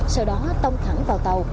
sau đó tông thẳng vào tàu